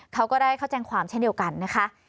เขาก็ได้เข้าแจ้งความเช่นเดียวกันนะคะ